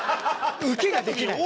受けができない。